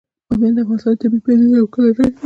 بامیان د افغانستان د طبیعي پدیدو یو بل ښکلی رنګ دی.